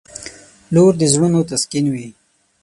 • لور د زړونو تسکین وي.